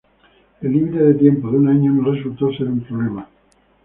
El límite de tiempo de un año no resultó ser un problema.